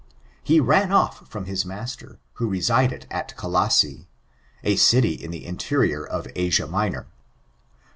He ran off from his master, who resided at Colosse, a city in the interior of Asia Minor.